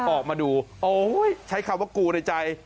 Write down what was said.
ออกมาดูโอ้ยใช้คำว่ากูในใจ